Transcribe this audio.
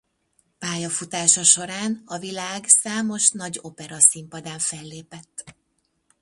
Pályafutása során a világ számos nagy operaszínpadán fellépett.